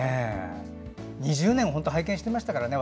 ２０年拝見していましたからね